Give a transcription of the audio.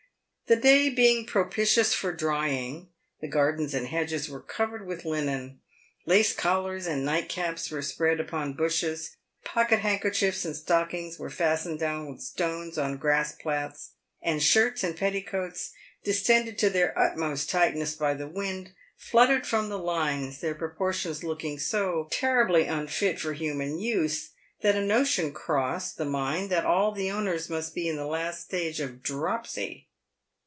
The day being propitious for drying, the gardens and hedges about were covered with linen ; lace collars and nightcaps were spread upon bushes, pocket hand kerchiefs and stockings were fastened down with stones on grass plats, and shirts and petticoats, distended to their utmost tightness by the wind, fluttered from the lines, their proportions looking so PAVED WITH GOLD. 133 terribly unfit for human use, that a notion crossed the mind that all the owners must be in the last stage of dropsy.